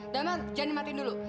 damar jangan dimatikan dulu